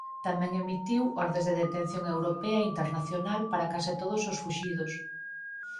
Tamén emitiu ordes de detención europea e internacional para case todos os fuxidos.